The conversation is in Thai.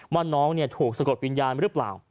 ว่าน้องถูกสะกดวิญญาณหรือเปล่า